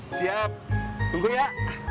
siap tunggu ya